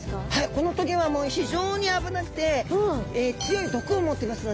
この棘は非常に危なくて強い毒を持っていますので。